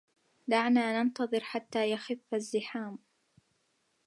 دعنا ننتظر حتى يخف الزحام.